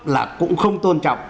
là cũng không tôn trọng